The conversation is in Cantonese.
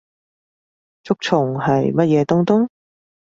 竹蟲係乜嘢東東？